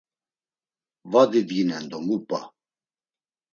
Va didginen do mu p̆a?